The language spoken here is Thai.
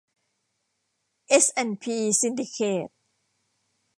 เอส แอนด์ พี ซินดิเคท